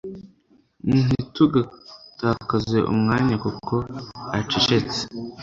Ntitugatakaze umwanya kuko acecetse